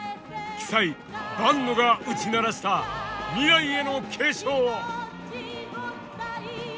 鬼才坂野が打ち鳴らした未来への警鐘を！